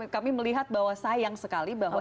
kami melihat bahwa sayang sekali bahwa